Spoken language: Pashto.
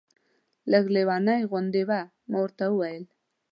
لږ لېونۍ غوندې وې. ما ورته وویل.